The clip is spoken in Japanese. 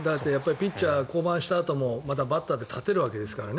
ピッチャー降板したあともまたバッターで立てるわけですからね。